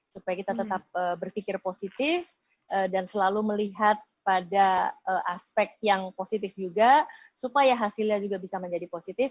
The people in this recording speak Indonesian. supaya kita tetap berpikir positif dan selalu melihat pada aspek yang positif juga supaya hasilnya juga bisa menjadi positif